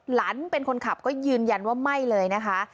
หลานเป็นคนขับก็ยืนยันว่าไม่เลยนะคะ